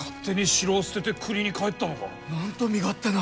なんと身勝手な！